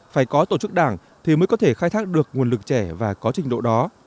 phải có tổ chức đảng thì mới có thể khai thác được nguồn lực trẻ và có trình độ đó